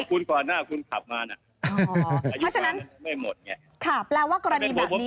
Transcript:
มันเป็นภพผมจับเลยผมจับตำนึงกันอีกเลย